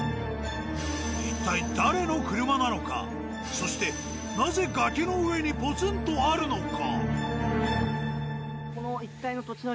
そしてなぜ崖の上にポツンとあるのか？